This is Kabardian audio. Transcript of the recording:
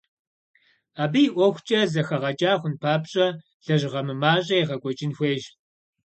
Абы и ӏуэхукӏэ зэхэгъэкӏа хъун папщӏэ лэжьыгъэ мымащӏэ егъэкӏуэкӏын хуейщ.